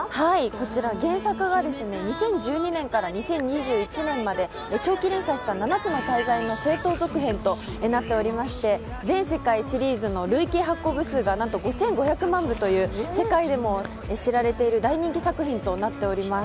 こちら原作が２０１２年から２０２１年まで長期連載した「七つの大罪」の正当続編となりまして全世界シリーズの累計発行部数が５５００万部という世界でも知られている大人気作品となっております。